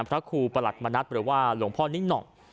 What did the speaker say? พระครูประหลัดมณัฐหรือว่าหลวงพ่อนิ้งหนอก